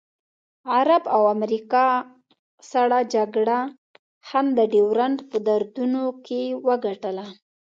غرب او امریکا سړه جګړه هم د ډیورنډ په دردونو کې وګټله.